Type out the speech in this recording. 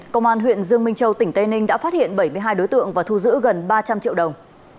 công an huyện dương minh châu tỉnh tây ninh đã phát hiện bảy mươi hai đối tượng và thu giữ gần ba trăm linh triệu đồng